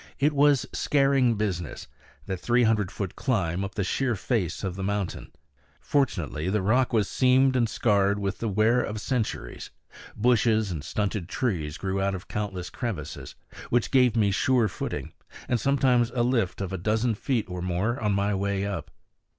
It was scaring business, that three hundred foot climb up the sheer face of the mountain. Fortunately the rock was seamed and scarred with the wear of centuries; bushes and stunted trees grew out of countless crevices, which gave me sure footing, and sometimes a lift of a dozen feet or more on my way up.